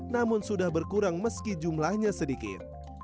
namun sudah berkurang meski jumlahnya sedikit